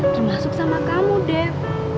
dimasuk sama kamu dev